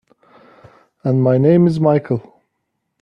And my name's Michael.